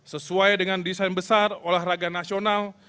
sesuai dengan desain besar olahraga nasional